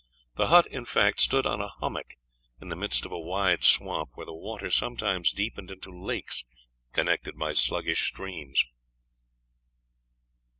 The hut, in fact, stood on a hummock in the midst of a wide swamp where the water sometimes deepened into lakes connected by sluggish streams.